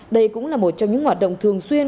đây cũng là một trong những hoạt động thường xuyên